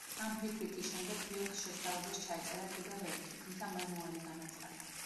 ამ ფირფიტის შემდეგ ბიორკს შესთავაზეს, ჩაეწერა კიდევ ერთი, თუმცა მან უარი განაცხადა.